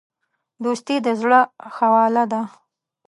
دوستي د زړه خواله ده.